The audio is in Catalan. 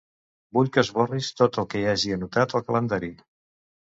Vull que esborris tot el que hi hagi anotat al calendari.